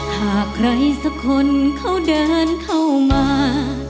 หากใครสักคนเขาเดินเข้ามา